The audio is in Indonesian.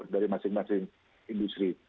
dari masing masing industri